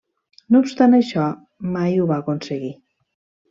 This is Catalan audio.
No obstant això, mai ho va aconseguir.